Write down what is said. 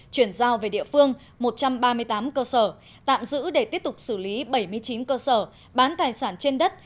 chuyển giao về địa phương một trăm ba mươi tám cơ sở tạm giữ để tiếp tục xử lý bảy mươi chín cơ sở bán tài sản trên đất